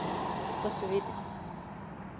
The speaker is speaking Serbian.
То се види.